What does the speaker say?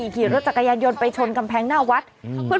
ขี่รถจักรยานยนต์ไปชนกำแพงหน้าวัด